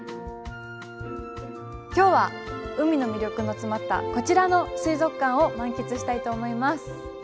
今日は海の魅力の詰まったこちらの水族館を満喫したいと思います。